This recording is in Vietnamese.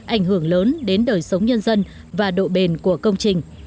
ảnh hưởng lớn đến đời sống nhân dân và độ bền của công trình